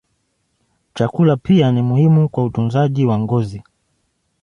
Chakula pia ni muhimu kwa utunzaji wa ngozi.